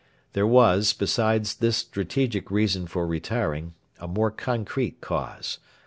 There was, besides this strategic reason for retiring, a more concrete cause.